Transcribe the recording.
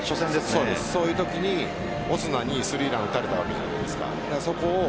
そういうときにオスナに３ランを打たれたわけじゃないですか。